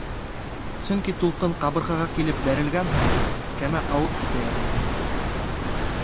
Сөнки тулҡын ҡабырғаға килеп бәрелгән һайын, кәмә ауып китә яҙа ине.